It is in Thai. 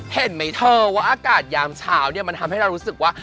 เห็นไหมเธอว่าอากาศยามเช้าเนี่ยมันทำให้เรารู้สึกว่า